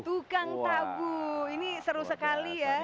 tukang tabu ini seru sekali ya